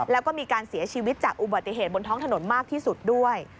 แล้วก็มีการเสียชีวิตจากอุบัติเหตุบนท้องถนนมากที่สุดด้วย